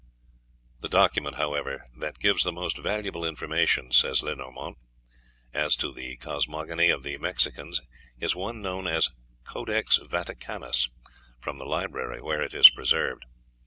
"The document, however, that gives the most valuable information," says Lenormant, "as to the cosmogony of the Mexicans is one known as 'Codex Vaticanus,' from the library where it is preserved.